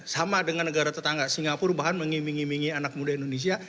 sama dengan negara tetangga singapura bahkan mengiming imingi anak muda indonesia